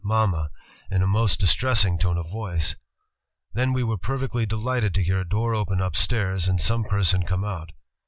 Ma ma!' in a most distresMng tone of voice. Then we were perfectly delighted to hear a door open upstairs and some person come out.